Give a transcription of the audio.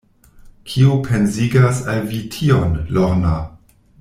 Kio pensigas al vi tion, Lorna?